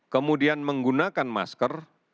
kemudian menggunakan masker